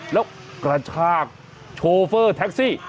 แล้วกระชากโชเฟอร์แท็กซี่